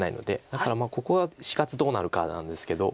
だからここが死活どうなるかなんですけど。